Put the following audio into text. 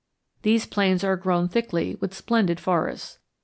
These plains are grown thickly with splendid forests.